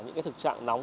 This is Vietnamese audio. những cái thực trạng nóng